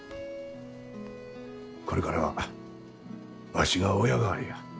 これからはワシが親代わりや。